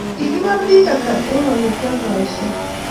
Kigibar biik hata eng olegialdoishen?